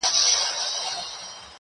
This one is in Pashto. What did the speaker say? ځيني يې هنر بولي لوړ